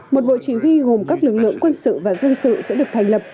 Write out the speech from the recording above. một bộ chỉ huy gồm các lực lượng quân sự và dân sự sẽ được thành lập